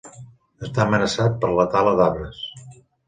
Està amenaçat per la tala d'arbres.